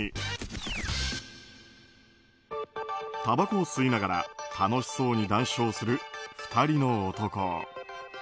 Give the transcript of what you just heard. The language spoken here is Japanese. たばこを吸いながら楽しそうに談笑する２人の男。